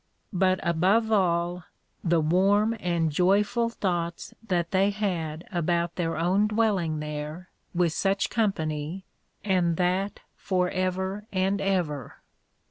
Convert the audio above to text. But above all, the warm and joyful thoughts that they had about their own dwelling there, with such company, and that for ever and ever.